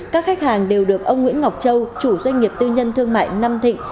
các khách hàng đều được ông nguyễn ngọc châu chủ doanh nghiệp tư nhân thương mại nam thịnh